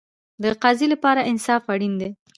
د قاضي لپاره انصاف اړین دی